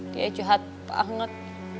dia jahat banget